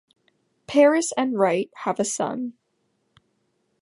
Paris and Wright have a son.